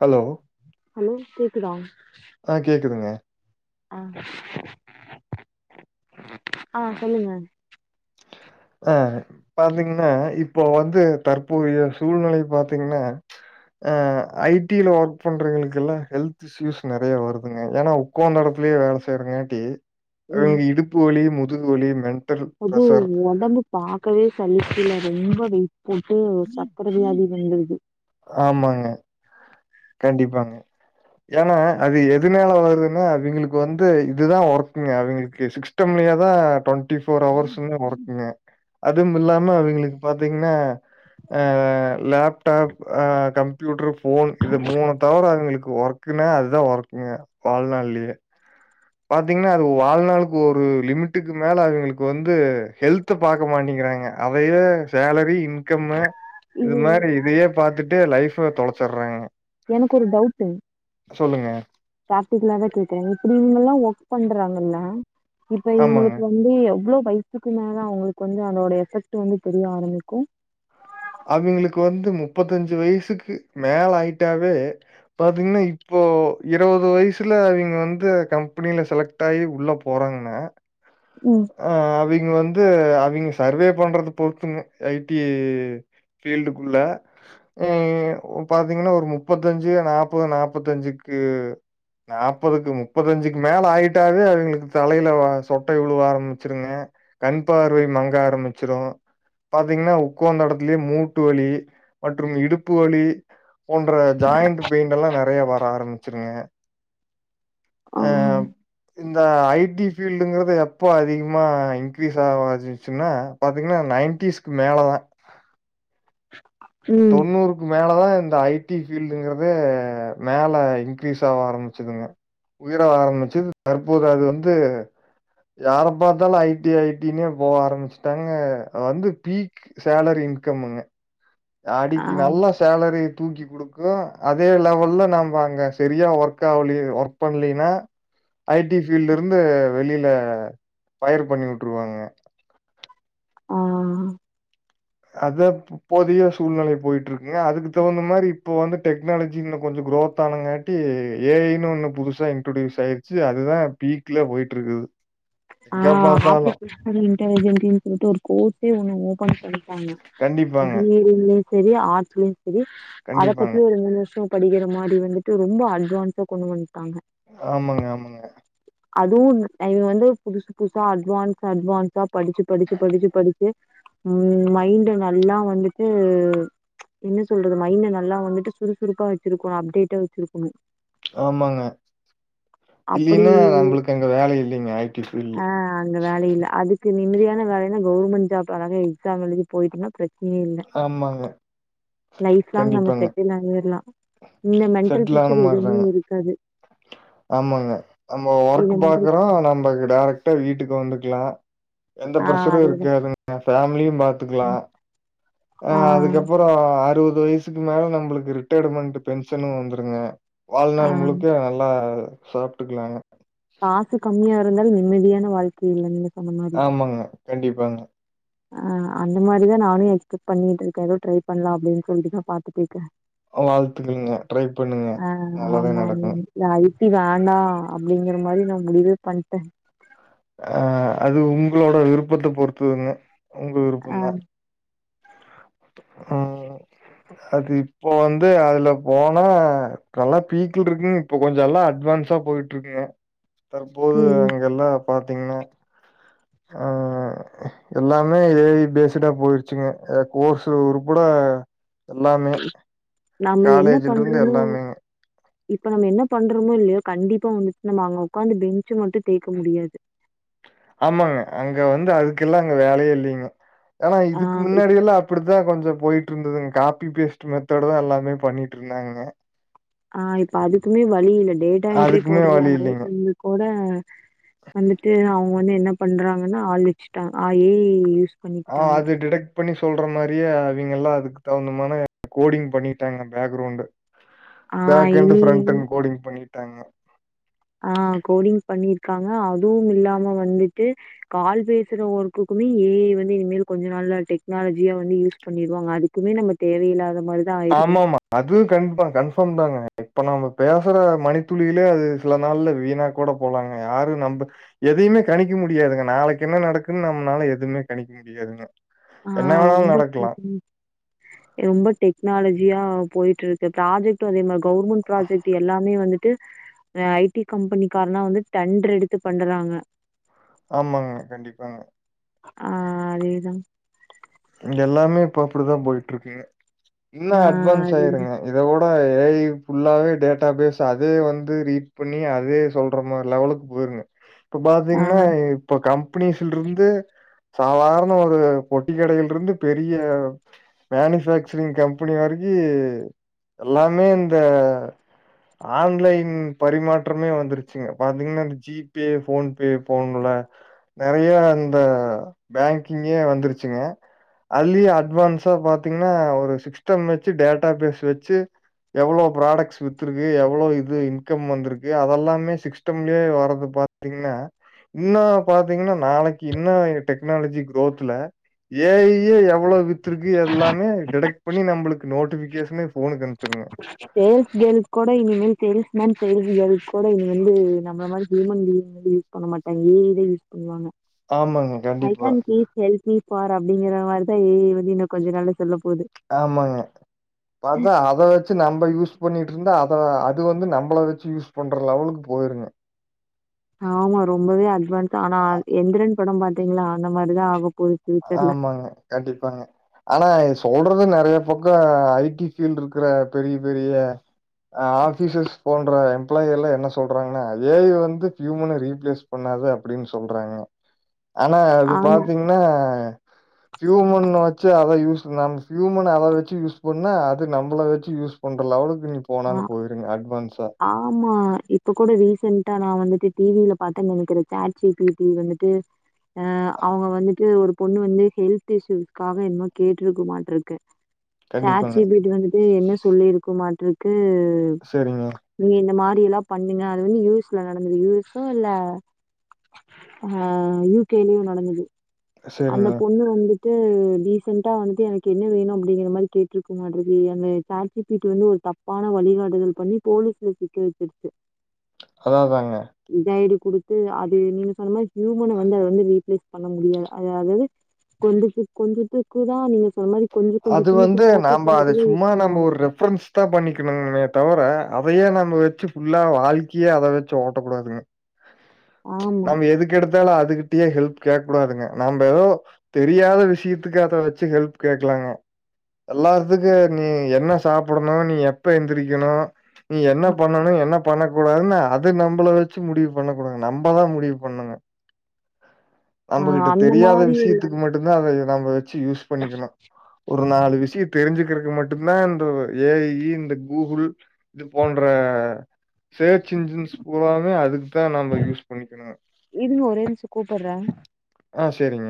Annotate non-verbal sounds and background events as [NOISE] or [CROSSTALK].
Hello hello கேக்குதா ஆ கேக்குதுங்க. ஆ ஆ சொல்லுங்க அ பாத்தீங்கனா இப்போ வந்து தற்போதைய சூழ்நிலை பாத்தீங்கனா அ ஐடில ஒர்க் பண்றவங்களுக்கெல்லா ஹெல்த் சீஸ் நெறய வருதுங்க ஏன்னா உக்காந்த இடத்துலயே வேல செய்யறங்காட்டி ம் அது இடுப்பு வலி முதுவலி மென் அது உடம்பு பாக்கவே சலிக்கல ரொம்ப வெய்ட் போட்டு சக்கரை வியாதி வந்துர்து ஆமாங்க கண்டிப்பாங்க ஏன்னா அது எதுனால வருதுனா அவிங்களுக்கு வந்து இதுதான் ஒர்க்ங்க அவிங்களுக்கு சிக் ட்டு மணியாதா டுவெண்ட்டி ஃபோர் ஹவர்ஸ்மே ஒர்க்குங்க அதுவு இல்லாம அவிங்களுக் பாத்தீங்கனா அ லேப்டாப் கம்ப்யூட்டர் ஃபோன் இது மூணு தவிர அவிங்களுக்கு ஒர்கக்குனா அதா ஒர்கக்குங்க வாழ்நாள்லயே பாத்தீங்கனா அது வாழ்நாளுக்கு ஒரு லிமிட்டுக்கு மேல அவிங்களுக்கு வந்து ஹெல்த் த்து பாக்க மாட்டேக்கிறாங்க அதயே சேலரி இன்கம்மு இது மாரி இதயே பாத்துட்டு லைஃப தொலைச்சிடுறாங்க எனக்கு ஒரு டவுட்டு ப்ராக்டிகலதா கேக்கற இப்டி இவங்கல்லா ஒர்க் பண்றாங்கல்ல இப்ப ஆமாங்க. இவுங்குளுக்கு வந்து எவ்ளோ வயசுக்கு மேல அவங்களுக்கு வந்து அதோட எஃபெக்ட் வந்து தெரிய ஆரம்பிக்கு அவிங்குளுக்கு வந்து முப்பத்தஞ்சு வயசுக்கு மேல ஆயிட்டாவே பாத்தீங்கனா இப்போ இருவது வயசுல அவிங்க வந்து கம்பெனில செலக்ட் ட்டாயி உள்ள போறாங்கன்னா ம் ஆ அவிங்க வந்து அவிங்க சர்வே பண்றது பொறுத்துங்க ஐ டி ஃபீல்டுக்குள்ள ம் பாத்தீங்கனா ஒரு முப்பத்தஞ்சு நாப்பது நாப்பத்தஞ்சுக்கு நாப்பதுக்கு முப்பத்தஞ்சுக்கு மேல ஆயிட்டாவே அவிங்களுக்கு தலையில வ சொட்ட வி ழுவ ஆரம்பிச்சிருங்க கண் பார்வை மங்க ஆரம்பிச்சிரு பாத்தீங்கனா உட்காந்த இடத்துலயே மூட்டு வலி மற்றும் இடுப்பு வலி போன்ற ஜாயிண்ட் பெயின்ட் எல்லா நெறைய வர ஆரம்பிச்சிருங்க ஆ அ இந்த ஐ டி ஃபீல்டுங்குறது எப்ப அதிகமா இன்க்ரீஸ் ஆக [UNINTELLIGIBLE] சுன்னா பாத்தீங்கனா நைன்டீஸ்க்கு மேல தா ம் தொண்ணூறு க்கு மேலதா இந்த ஐ டி ஃபீல்டுங்கறதே மேல இன்கிரீஸ் ஆக ஆரம்பிச்சதுங்க உயர ஆரம்பிச்சு தற்போது அது வந்து யார பார்த்தாலு ஐ டி ஐ டி னே போக ஆரம்பிச்சுட்டாங்க வந்து பீக் சேலரி இன்கம்முங்க அடிக் ஆம் நல்லா ஸ் சேலரி தூக்கி குடுக்கு அதே லெவல்ல நம்ப அங்க செரியா ஒர்க் ஆவலே ஒர்க் பண்லேனா ஐ டி ஃபீல்ட்லிருந்து வெளில ஃபயர் பண்ணி வுட்டுருவாங்க ஆ அத ப் இப்போதைய சூழ்நிலை போயிட்டுருக்குங்க அதுக்கு தகுந்த மாரி இப்ப வந்து டெக்னாலஜின்ல கொஞ்சோ குரோத் ஆனங்க ட்டி ஏ ஐ ன்னு ஒன்னு புதுசா இன்ட்ரோடியூஸ் ஆய்டுச்சு அதுதா பீக்ல போய்ட்டுருக்குது ஆ [UNINTELLIGIBLE] தனி இன்டலிஜென்ட்னு சொல்லிட்டு ஒரு கோர்ஸே ஒன்னு ஓபன் பண்ணிட்டாங்க கண்டிப்பாங்க, பி எ [UNINTELLIGIBLE] செரி ஆர்ட்ஸ்லயு செரி அத கண்டிப்பாங்க. பத்தி ஒரு மூணு வருஷோ படிக்கிற மாரி வந்துட்டு ரொம்ப அட்வான்ஸா கொண்டு வந்துட்டாங்க ஆமாங்க ஆமாங் அதுவு இ [UNINTELLIGIBLE] வந்து புதுசு புதுசா அட்வான்ஸ் அட்வான்ஸா படிச்சு படிச்சு படிச்சு படிச்சு ம் மைண்டு நல்லா வந்துட்டு என்ன சொல்றது மைண்டு நல்லா வந்துட்டு சுறுசுறுப்பா வெச்சிருக்குணு அப்டேட்டா வெச்சிருக்குணு ஆமாங்க அப்டி இல்லீன்னா நம்முளுக்கு அங்க வேல இல்லைங்க ஐ டி ஃபீல்ட்ல ஆ அங்க வேல இல்ல அதுக்கு நிம்மதியான வேலைனா கவுவர்மெண்ட் ஜாப் அழக எக்ஸாம் எழுதி போயிட்டேனா ப்ரச்சனயே இல்ல ஆமாங்க, லைஃப் லாங் நம்ம கண்டிப்பாங்க. செட்டில் ஆகிடலா இங்க மென்டல் செட்டில் ஆன ப்ரஷர் எதுவுமே மாரிதாங்க. இருக்காது ஆமாங்க நம்ப இந்த ஒர்க் மென்டல் பாக்குறோ நம்ப டைரக்டா வீட்டுக்கு வந்துக்கலா எந்த ஆ ப்ரஷரு அதேதா இருக்காதுங்க ஃபேமிலியு பாத்துக்கலா அ ஆ அதுக்கப்போ ப்போ அறுவது வயசுக்கு மேல நம்புளுக்கு ரிட்டையர்மெண்ட் பென்ஷனு வந்துருங்க வாழ்நாள் ஆ முழுக்க நல்லா சாப்ட்டுக்கலாங்க காசு கம்மியா இருந்தாலு நிம்மதியான வாழ் இது வந்து பண்ணுனா ஆமாங்க கண்டிப்பாங்க ஆ அந்த மாதிரிதா நானு எக்ஸ்பட் பண்ணிட்டுக்க ஏதோ ட்ரை பண்ணலா அப்டின்னு சொல்லிட்டுதா பாத்துட்டு இருக்க வாழ்த்துகள்ங்க ட்ரை பண்ணுங்க நல்லதே நடக்கும் இல்ல ஐடி வேண்டா அப்டிங்கிற மாதிரி நா முடிவே பண்ட்ட ஆ அது உங்களோட விருப்பத்த பொறுத்ததுங்க உங்க ஆ விருப்பம்தா ஆ அது இப்போ வந்து அதுல போனா நல்லா பீக்கல இருக்குங்க இப்போ கொஞ்ச எல்லா அட்வான்ஸா போயிட்டு இருங்க தற்போது ம் அங்க எல்லா பாத்தீங்கன்னா ஆ எல்லாமே ஏய் பேசடா போயிருச்சுங்க கோர்ஸ்ு உருபட எல்லாமே நம்ம என்ன காலேஜ் ல இருந்து பண்றோமோ எல்லாமே இப்ப நம்ம என்ன பண்றோமோ இல்லயோ கண்டிப்பா வந்து நம்ம அங்க உட்காந்து பெஞ்சு மட்டு தேயிக்க முடியாது ஆமாங்க அங்க வந்து அதுக்கெல்லா அங்க வேலயே இல்லங்க ஆனா ஆ இதுக்கு இப் முன்னாடி எல்லா அப் இப்டிதா கொஞ்ச போயிட்டு இருந்ததுங்க காப்பி பேஸ்ட் மெத்தட் தா எல்லாமே பண்ணிட்டு இருந்தாங்க ஆஹ இப்ப அதுக்குமே வழி இல்ல டேட்டா என்ட்ரி அதுக்குமே வழி இல்லைங்க. போடுறளவுக்கு வந்து கூட வந்துட்டு அவங்க வந்து என்ன பண்றாங்கன்னா ஆள் வச்சுட்டாங்க ஆ ஏ இ யூஸ் ஆ பண்ணிக்கிட்டாங்க அது டிடட் பண்ணி சொல்ற மாதிரியே அவங்க எல்லா அதுக்கு தகுந்தமான கோடிங் பண்ணிட்டாங்க பேக்ரௌண்ட் ஆ பேக் அண்ட் இனி பிராண்ட் அண்ட் கோடிங் பண்ணிட்டாங்க ஆ கோடிங் பண்ணிருக்காங்க அதுவு இல்லாம வந்துட்டு கால் பேசுற ஒர்க்கக்குமே ஏ ஐ வந்து இனிமேல் கொஞ்ச நாள்ல டெக்னாலஜிய வந்து யூஸ் பண்ணிடுவாங்க அதுக்குமே நம்ம தேவையில்லாத மாதிரி ஆமா ஆமா அதுவு கன்ஃபா கன்ஃபா தாங்க இப்ப நம்ம பேசுற மணித்துளிலே அது சில நாள்ல வெளி நாட் கூட போலாங்க யாரு நம்ப எதையுமே கணிக்க முடியாதுங்க நாளைக்கு என்ன நடக்குன்னு நம்மனால எதுவுமே கணிக்க முடியாதுங்க ஆ என்ன வேணாலு ரொம்ப நடக்கலா ரொம்ப டெக்னாலஜியா போயிட்டு இருக்கு ப்ராஜெக்ட் அதே மாதிரி கவுர்மெண்ட் ப்ராஜெக்ட் எல்லாமே வந்துட்டு ஐடி கம்பெனி காரனா வந்து டண்டர் எடுத்து பண்றாங்க ஆமாங்க கண்டிப்பாங்க ஆ அதேதா இங்க எல்லாமே இப்ப அப்டித்தா போயிட்டு இருக்குங்க இன்னு ஆ அட்வான்ஸ் அதேதா ஆயிருங்க இத ஓட ஏய் ஃபுல்லாவே டேட்டா பேஸ் அது வந்து ரீட் பண்ணி அதே சொல்ற மாதிரி லெவலுக்கு போயிருங்க இப்ப ஆ பாத்தீங்கன்னா இப்ப கம்பெனிஸ்ல இருந்து சாதாரண ஒரு பொட்டி கடையில இருந்து பெரிய மேனுபக்சரிங் கம்பெனியா இருக்கு எல்லாமே இந்த ஆன்லைன் பரிமாற்றமே வந்துருச்சுங்க பாத்தீங்கன்னா ஜிபே போன்பே போன்ல நெறைய அந்த பேங்கிங்கே வந்துருச்சுங்க அதுலயு அட்வான்ஸா பாத்தீங்கன்னா ஒரு சிஸ்டம் வச்சு டேட்டா பேஸ் வச்சு எவ்வளோ ப்ராடட்ஸ் வி்த்து இருக்கு எவ்ளோ இது இன்கம் வந்திருக்கு அதெல்லாமே சிஸ்டம்லேயே வரறது பாத்து பாத்தீங்கன்னா இன்னோ பாத்தீங்கன்னா நாளைக்கு இன்னு டெக்னாலஜி குரோத்ல ஏயி எவ்வளவு வித்துருக்கு எல்லாமே டிடெக்ட் பண்ணி நம்மளுக்கு நோட்டிபிகேஷல போனுகு அனுப் செரிங்ங சேல்ஸ் கேல்ஸ் கூட இனிமேல் சேல்ஸ் மேன் சேல்ஸ் கேல் கூட இனி வந்து நம்மள மாரி ஹியூமன் பீயிங் பண்ண மாட்டாங்கே ஏ ஐ தா யூஸ் பண்ணுவாங்க ஆமாங்க ஐ கண்டிப்பா. Can please help me for அப்படிங்கற மாரிதா ஏ ஐ வந்து இன்னு கொஞ்ச நாள்ல சொல்ல போது ஆமாங்க பாத்தா அத வெச்சு நம்ப யூஸ் பண்ணிட்டுருந்தா அத அது வந்து நம்பள வெச்சு யூஸ் பண்ற லெவலுக்கு போயிருங்க ஆமா ரொம்பவே அட்வான்ஸ் ஆனா எந்திரன் படம் பாத்தீங்களா அந்த மாரிதா ஆகப்போது ஆமாங்க கண்டிப்பாங்க ஆனா சொல்றது நெறைய பக்ககோ ஐ டி பஃபீல்டு ருக்கிற பெரிய பெரிய ஆஃபிஸஸ் போன்ற எம்ப்ளாயி எல்லா என்ன சொல்றாங்கன்னா ஏ ஐ வந்து ஹியூமன ரீப்ளேஸ் பண்ணாது அப்படின் சொல்றாங்க ஆனா அது ஆமா பாத்தீங்ன்னா யூமன வெச்சு அத யூஸ் [UNINTELLIGIBLE] யூமன் அத வெச்சு யூஸ் பண்ணா அது நம்மள வெச்சு யூஸ் பண்ற லெவலுக்கு இன்னிக் அ ஆமா இப்ப கூட ரீசென்டா நா வந்துட்டு டிவில பாத்த நெனைக்கிற சேட் ஜி பி டி வந்துட்டு அ அவுங்க வந்துட்டு ஒரு பொண்ணு வந்து ஹெல்த் இஷுவுக்காக என்னமோ கேட்டுருக்கு மாட்டுருக்கு சேட் கண்டிப்பாங்க. ஜி பி டி வந்துட்டு என்ன சொல்லிருக்கு மாட்ருக்கு செரிங்க நீ இந்த மாரி எல்லா பண்ணுங்க அது வந்து யூ எஸ்ல நடந்தது யூ எஸ்ஸா இல்ல ஆ யூ கேலியு நடந்துது அந்த சரிங்க. பொண்ணு வந்து ட்டு ரீசண்டா வந்து எனக்கு என்ன வேணு அப்டிங்கற மாரி கேட்ருக்குமாட்ருக்கு எ அந்த சேட் ஜி பி டிலந்து ஒரு தப் பான வழிகாட்டுதல் பண்ணி போலீஸ்ல சிக்க வெச்சிருச்சு அதா அதாங்க கைடு குடுத்து அது நீங்க சொன்ன மாரி ஹியூமன வந்து அத வந்து ரீப்ளேஸ் பண்ண முடியல அதாவ்து கொஞ்சத்துக் கொஞ்சதுக்கு தா நீங்க சொன் மாரி கொஞ்ச கொஞ்ச அது சின்ன வந்து சின்ன நாம்ப வார்த்தைக்கு அத மட்டும் தான் யூஸ் சும்மா நம்ப பண்ணுவாங்க. ஒரு ரெஃப்ரன்ஸ் தா பண்ணிக்கிணுமே தவர அதையே நம்ம வெச்சு பஃபுல்லா வாழ்க்கியே அத வெச்சு ஓட்டக்கூடாதுங்க. ஆமா. நம்ம எதுக்கெடுத்தாலு அதுகிட்டயே ஹெல்ப் கேக் கூடாதுங்க நம்ம எதோ தெரியாத விஷியத்துக்கு அத வெச்சு ஹெல்ப் கேக் இல்லங்க எல்லாத்துக்கு நீ என்ன சாப்பிடணு நீ எப்ப எந்திரிக்கணு நீ என்ன பண்ணனு என்ன பண்ணக்கூடாதுன்னா அது நம்பள வெச்சு முடிவு பண்ண கூடாங்க நம்மதா முடிவு பண்ணுங்க ஆ நம்பகிட்ட அந்த தெரியாத மாரி ஒரு விஷியத்துக்கு மட்டுந்தா அத நம்ம வெச்சு யூஸ் பண்ணிக்கணு ஒரு நாலு விஷிய தெரிஞ்சுக்கிறக்கு மட்டுதா இந்த ஏ ஐயி இந்த கூகுள் இது போன்ற சேச் இன்சூரன்ஸ் பூறாமே அதுக்கு தா நம்ம யூஸ் பண்ணிக்கிணு இருங்க ஒரே நிம்ஷு கூப்புற்ற ஆ செரிங்க